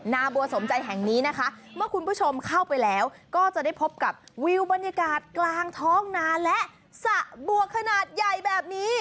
นาบัวสมใจแห่งนี้นะคะเมื่อคุณผู้ชมเข้าไปแล้วก็จะได้พบกับวิวบรรยากาศกลางท้องนาและสระบัวขนาดใหญ่แบบนี้